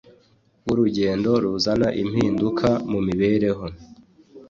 wurugendo ruzana impinduka mumibereho